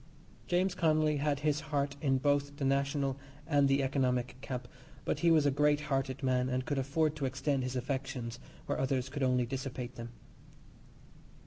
James Connolly had his heart in both the national and the economic camp, but he was a great hearted man, and could afford to extend his affections where others could only dissipate them.